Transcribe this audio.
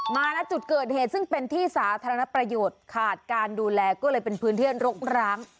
ณจุดเกิดเหตุซึ่งเป็นที่สาธารณประโยชน์ขาดการดูแลก็เลยเป็นพื้นที่รกร้าง